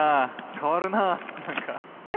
変わるなあ何か。